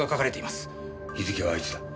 日付はいつだ？